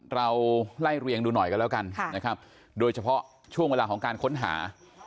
เราไล่เรียงดูหน่อยกันแล้วกันนะครับโดยเฉพาะช่วงเวลาของการค้นหา